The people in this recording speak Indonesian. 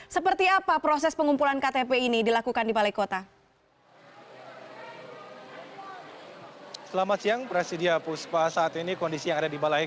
seperti apa proses pengumpulan ktp ini dilakukan di balai kota